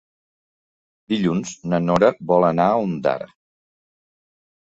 Dilluns na Nora vol anar a Ondara.